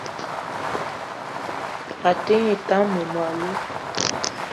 A te ngne tam mmem- alou